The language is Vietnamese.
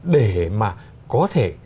để mà có thể